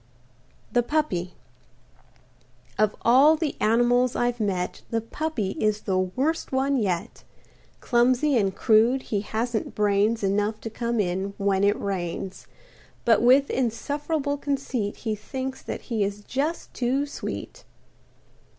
THE PUPPY Of all the animals I've met The Puppy is the worst one yet. Clumsy and crude, he hasn't brains Enough to come in when it rains. But with insufferable conceit He thinks that he is just too sweet.